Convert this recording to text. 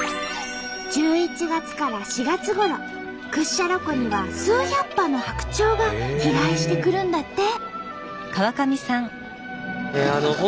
１１月から４月ごろ屈斜路湖には数百羽の白鳥が飛来してくるんだって。